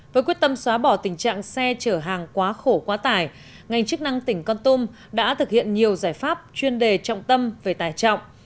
với quyết tâm xóa bỏ tình trạng xe chở hàng quá khổ quá tải ngành chức năng tỉnh con tum đã thực hiện nhiều giải pháp chuyên đề trọng tâm về tài trọng